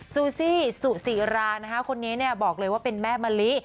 ซูซี่สุศิรานะคะคนนี้บอกเลยว่าเป็นแม่มะลิ